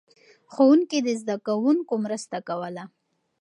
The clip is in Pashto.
ښوونکي د زده کوونکو مرسته کوله.